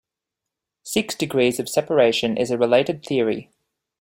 Six degrees of separation is a related theory.